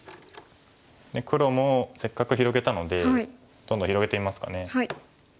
黒もせっかく広げたのでどんどん広げてみますかね。